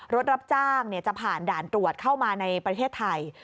รถรับจ้างจะผ่านด่านตรวจเข้ามาในประเทศไทย